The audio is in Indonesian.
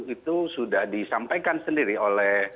itu sudah disampaikan sendiri oleh